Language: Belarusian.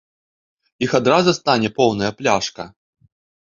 Іх адразу стане поўная пляшка.